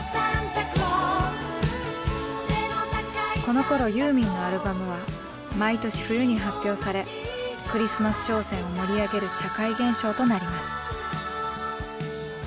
このころユーミンのアルバムは毎年冬に発表されクリスマス商戦を盛り上げる社会現象となります。